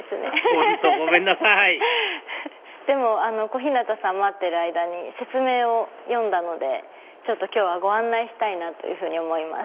本当ごめんなさいでも小日向さん待ってる間に説明を読んだので今日はご案内したいなというふうに思います。